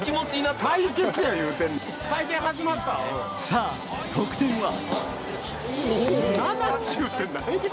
さあ得点は？